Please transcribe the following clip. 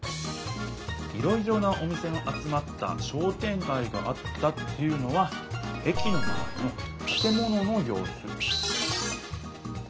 「いろいろなお店の集まった『商店がい』があった」っていうのは駅のまわりのたて物のようす。